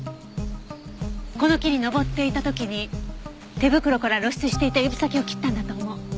この木に登っていた時に手袋から露出していた指先を切ったんだと思う。